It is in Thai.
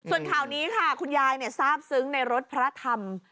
ส่วนข่าวนี้ค่ะคุณยายทราบซึ้งในรถพระธรรม